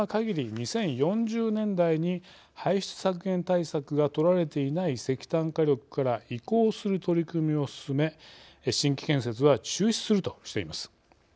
２０４０年代に排出削減対策がとられていない石炭火力から移行する取り組みを進め新規建設は中止するとしています。